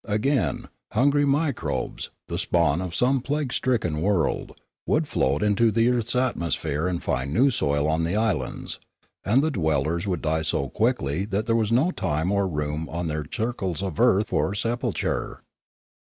Again, hungry microbes, the spawn of some plague stricken world, would float into the earth's atmosphere and find new soil on the islands; and the dwellers would die so quickly that there was no time or room on their circles of earth for sepulture.